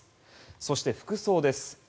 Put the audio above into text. そして、服装です。